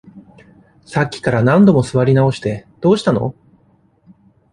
さっきから何度も座り直して、どうしたの？